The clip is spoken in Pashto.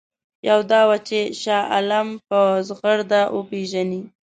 یوه دا وه چې شاه عالم په زغرده وپېژني.